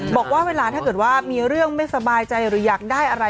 บอกว่าเวลาถ้าเกิดว่ามีเรื่องไม่สบายใจหรืออยากได้อะไร